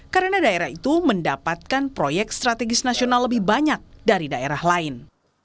karena daerah itu mendapatkan proyek strategis nasional lebih banyak dari daerah lain